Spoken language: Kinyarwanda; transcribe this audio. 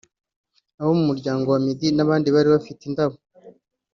abo mu muryango wa Meddy n’abandi bari bafite indabo